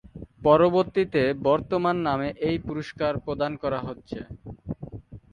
পরবর্তীতে বর্তমান নামে এই পুরস্কার প্রদান করা হচ্ছে।